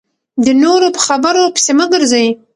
د نورو په خبرو پسې مه ګرځئ .